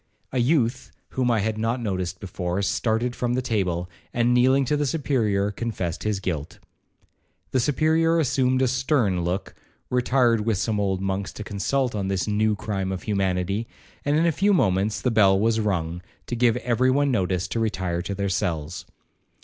A youth whom I had not noticed before, started from the table, and kneeling to the Superior, confessed his guilt. The Superior assumed a stern look, retired with some old monks to consult on this new crime of humanity, and in a few moments the bell was rung, to give every one notice to retire to their cells.